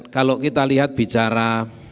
kalau kita lihat bicara